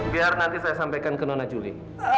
biar nanti saya sampaikan ke nona juli